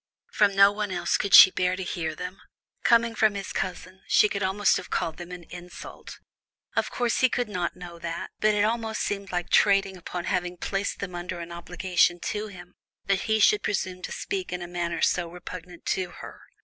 From no one else could she bear to hear them; coming from his cousin, she could almost have called them an insult. Of course, he could not know that, but it almost seemed like trading upon having placed them under an obligation to him, that he should presume to speak in a manner so repugnant to her.